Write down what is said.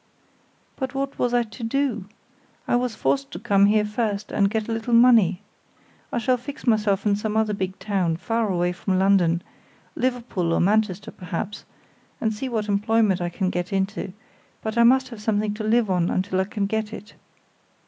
"But what was I to do? I was forced to come here first and get a little money. I shall fix myself in some other big town, far away from London Liverpool or Manchester, perhaps; and see what employment I can get into, but I must have something to live upon till I can get it.